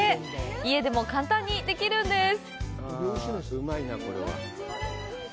家でも簡単にできるんです。